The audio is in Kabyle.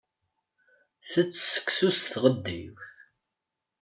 Ttett seksu s tɣeddiwt.